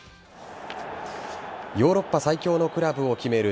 ヨーロッパ最強のクラブを決める